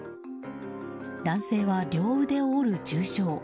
男性は両腕を折る重傷。